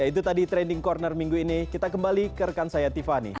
ya itu tadi trending corner minggu ini kita kembali ke rekan saya tiffany